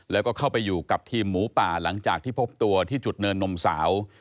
แล้วก็เข้าไปอยู่กับทีมหมูป่าหลังจากที่พบตัวที่จุดเนินนมสาว